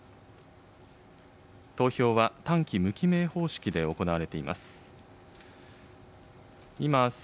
投票は単記無記名方式で行われています。